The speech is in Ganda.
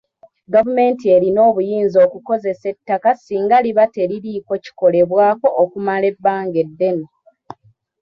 Gavumenti erina obuyinza okukozesa ettaka singa liba teririiko kikolebwako okumala ebbanga eddene.